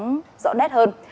nóng rõ nét hơn